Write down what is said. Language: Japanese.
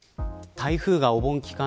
台風がお盆期間